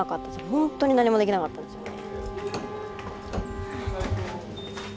ほんとに何もできなかったんですよね。